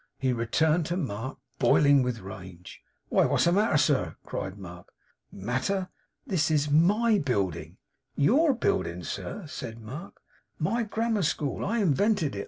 He returned to Mark, boiling with rage. 'Why, what's the matter, sir?' cried Mark. 'Matter! This is MY building.' 'Your building, sir!' said Mark. 'My grammar school. I invented it.